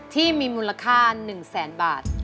ที่มีมูลค่า๑๐๐๐๐๐บาท